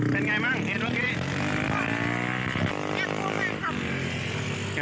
เป็นไงบ้าง